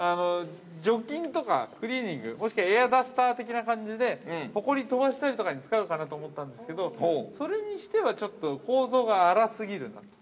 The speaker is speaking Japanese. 除菌とかクリーニング、もしくはエアダスター的な感じで、ほこりを飛ばしたりとかに使うかなと思ったんですけど、それにしては、ちょっと構造が粗すぎるなと。